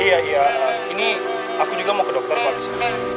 iya iya ini aku juga mau ke dokter pak bisa